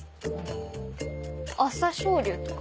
朝青龍とか？